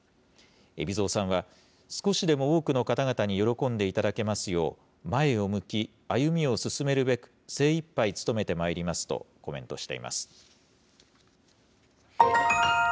海老蔵さんは、少しでも多くの方々に喜んでいただけますよう前を向き、歩みを進めるべく、精いっぱい勤めてまいりますとコメントしています。